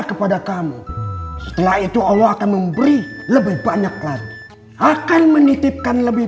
kepada kamu setelah itu allah akan memberi lebih banyak lagi akan menitipkan lebih